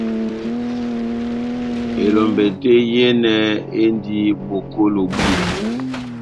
Elombɛ tɛ́h yehenɛ endi bokolo bwito.